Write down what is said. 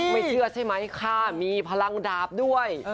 ไม่เชื่อใช่ไหมค่ะมีพลังดาบด้วย